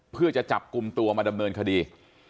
เพื่อจะจับกลุ่มตัวมาดำเนินคดี